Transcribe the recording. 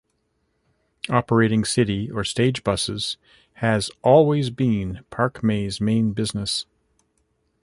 Operating city or stage buses has always been Park May's main business.